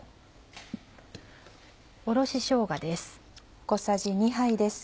おろししょうがです。